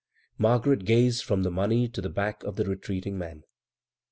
Margaret gazed from the money to the back of the retreating man.